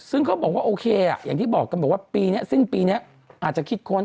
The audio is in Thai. ซึ่งเขาบอกว่าโอเคอย่างที่บอกกันบอกว่าปีนี้สิ้นปีนี้อาจจะคิดค้น